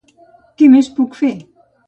Què més puc fer?